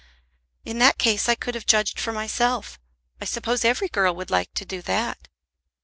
"In that case I could have judged for myself. I suppose every girl would like to do that."